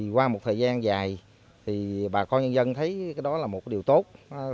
qua một thời gian dài bà con nhân dân thấy đó là một điều tốt